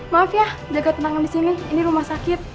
maaf ya jaga tenang disini ini rumah sakit